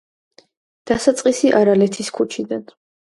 დასაწყისი არალეთის ქუჩიდან.